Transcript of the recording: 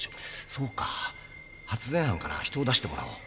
そうか発電班から人を出してもらおう。